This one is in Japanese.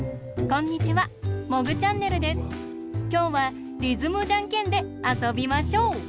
きょうはリズムじゃんけんであそびましょう！